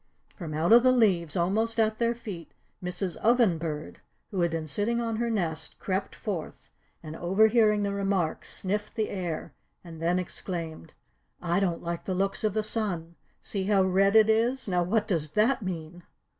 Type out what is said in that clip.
From out of the leaves almost at their feet Mrs. Oven Bird, who had been sitting on her nest, crept forth, and overhearing the remarks sniffed the air, and then exclaimed: "I don't like the looks of the sun. See how red it is. Now what does that mean?"